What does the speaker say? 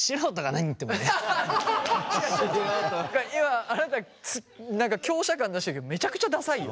何か今あなた何か強者感出してるけどめちゃくちゃダサいよ。